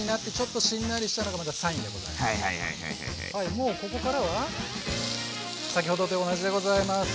もうここからは先ほどと同じでございます。